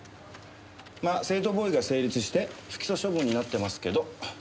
まあ正当防衛が成立して不起訴処分になってますけど。